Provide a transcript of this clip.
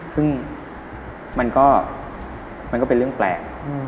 ซึ่งมันก็เป็นเรื่องแปลก